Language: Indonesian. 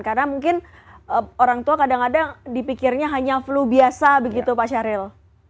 karena mungkin orang tua kadang kadang dipikirnya hanya flu biasa begitu pak syahril